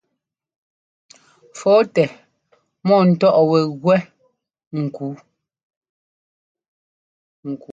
Fɔ̌tɛ mɔ̂ɔntɔ́ʼ wɛ gúɛ́ nkuu.